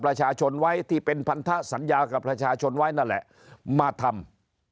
ประชาชนไว้ที่เป็นพันธสัญญากับประชาชนไว้นั่นแหละมาทำ